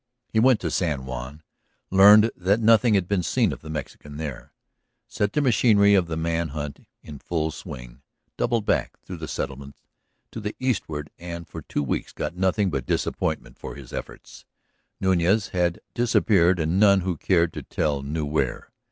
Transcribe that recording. He went to San Juan, learned that nothing had been seen of the Mexican there, set the machinery of the man hunt in full swing, doubled back through the settlements to the eastward, and for two weeks got nothing but disappointment for his efforts. Nuñez had disappeared and none who cared to tell knew where.